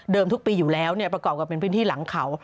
ทุกปีอยู่แล้วประกอบกับเป็นพื้นที่หลังเขา